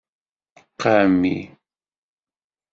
Qami.